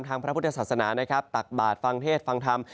ทางพระพุทธศาสนานะครับตักบาสฟังเทศฟังทำ